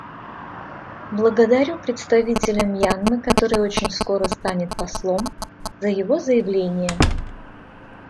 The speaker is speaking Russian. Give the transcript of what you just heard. Благодарю представителя Мьянмы, который очень скоро станет послом, за его заявление.